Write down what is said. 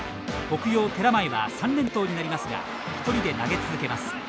北陽・寺前は３連投になりますが一人で投げ続けます。